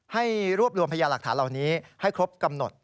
ให้รวบรวมพยาหลักฐานเหล่านี้ให้ครบกำหนด